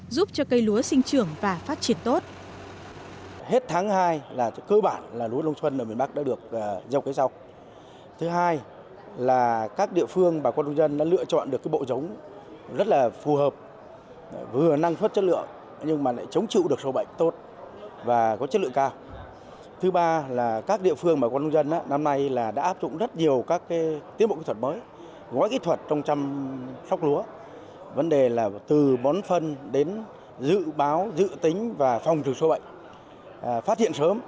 giúp cho cây lúa sinh trưởng và phát triển tốt